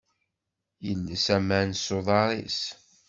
Yelles aman s uḍar-is.